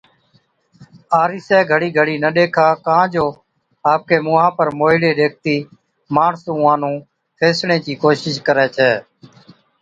آرِيسَي گھڙِي گھڙِي نہ ڏيکا ڪان جو آپڪي مُونهان پر موهِيڙي ڏيکتِي ماڻس اُونهان نُون ڦيسڻي چِي ڪوشش ڪرَي ڇَي۔